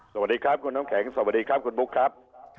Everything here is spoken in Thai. สวัสดีครับคุณน้ำแข็งสวัสดีครับคุณบุ๊คครับ